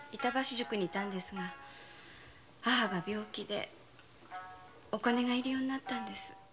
板橋宿に居たんですが母が病気でお金が入り用になったんです。